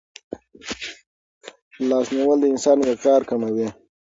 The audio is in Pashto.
لاس نیول د انسان وقار کموي.